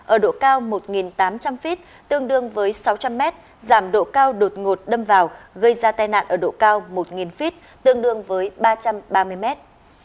ở độ cao một tám trăm linh feet tương đương với sáu trăm linh mét giảm độ cao đột ngột đâm vào gây ra tai nạn ở độ cao một feet tương đương với ba trăm ba mươi mét